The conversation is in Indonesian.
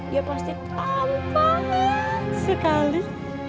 dia pasti tampah sekali